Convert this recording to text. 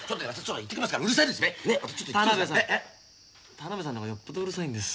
田辺さんの方がよっぽどうるさいんです。